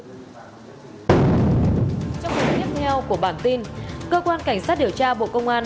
trong phần tiếp theo của bản tin cơ quan cảnh sát điều tra bộ công an